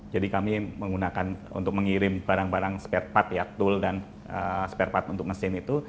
jadi kami menggunakan untuk mengirim barang barang spare part ya tool dan spare part untuk mesin itu